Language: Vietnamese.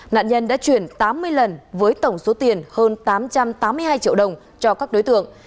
nạn nhân đã chuyển tám mươi lần với tổng số tiền hơn tám trăm tám mươi hai triệu đồng cho các đối tượng